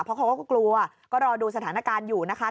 เพราะเขาก็กลัวก็รอดูสถานการณ์อยู่นะคะ